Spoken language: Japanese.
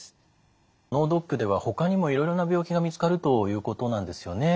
脳ドックではほかにもいろいろな病気が見つかるということなんですよね。